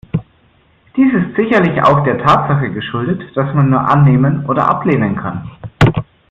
Dies ist sicherlich auch der Tatsache geschuldet, dass man nur annehmen oder ablehnen kann.